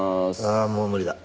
ああもう無理だ。